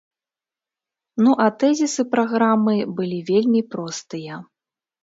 Ну а тэзісы праграмы былі вельмі простыя.